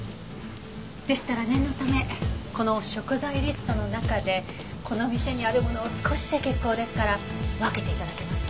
でしたら念のためこの食材リストの中でこの店にあるものを少しで結構ですから分けて頂けますか？